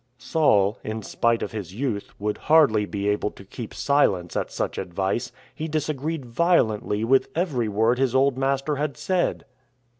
Saul, in spite of his youth, would hardly be able to keep silence at such advice. He disagreed violently with every word his old master had said.